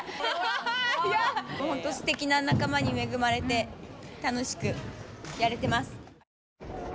すてきな仲間に恵まれて楽しくやれてます。